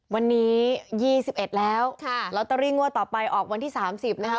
วันนี้๒๑แล้วลอตเตอรี่งวดต่อไปออกวันที่๓๐นะคะ